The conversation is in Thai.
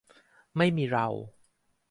ไม่มีเรา